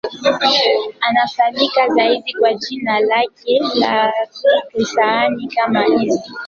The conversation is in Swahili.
Anafahamika zaidi kwa jina lake la kisanii kama Eazy-E.